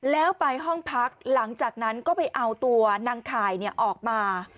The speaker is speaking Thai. แล้วไปห้องพักหลังจากนั้นก็ไปเอาตัวนางข่ายออกมา